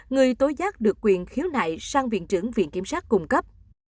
người tối giác được quyền khiếu nại sang viện trưởng viện kiểm sát cùng cấp